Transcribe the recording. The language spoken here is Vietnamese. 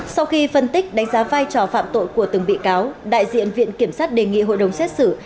sau khi phân tích đánh giá vai trò phạm tội của từng bị cáo đại diện viện kiểm sát đề nghị hội đồng xét xử